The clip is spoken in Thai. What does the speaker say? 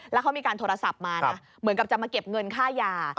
แล้วเขามีการโทรศัพท์มานะเหมือนกับจะมาเก็บเงินค่ายา